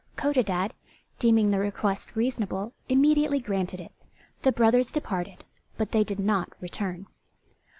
Codadad, deeming the request reasonable, immediately granted it: the brothers departed, but they did not return.